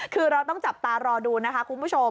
คือเราต้องจับตารอดูนะคะคุณผู้ชม